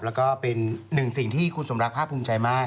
แล้วก็เป็นหนึ่งสิ่งที่คุณสมรักภาคภูมิใจมาก